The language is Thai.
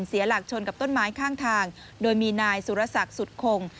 เสียหลักชนกับต้นไม้ข้างทางโดยมีนายสุรศักดิ์สุดคง